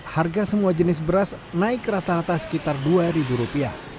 harga semua jenis beras naik rata rata sekitar rp dua